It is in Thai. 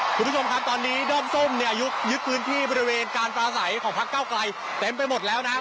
คุณผู้ชมครับตอนนี้ด้อมส้มเนี่ยยึดพื้นที่บริเวณการปลาใสของพักเก้าไกลเต็มไปหมดแล้วนะครับ